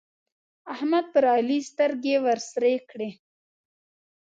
احمد پر علي سترګې ورسرې کړې.